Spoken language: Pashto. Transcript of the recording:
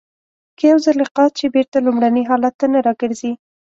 که یو ځلی قات شي بېرته لومړني حالت ته نه را گرځي.